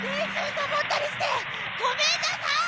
さぼったりしてごめんなさい！